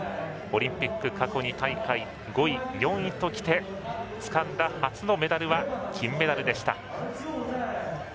オリンピック過去２大会５位、４位ときてつかんだ初のメダルは金メダル。